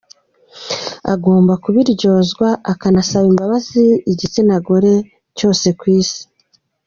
agomba kubiryozwa akanasaba imbabazi igitsina gore cyose ku isi.